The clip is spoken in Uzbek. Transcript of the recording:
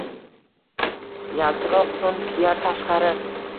Yaltiroq toʼn kiyar tashqari.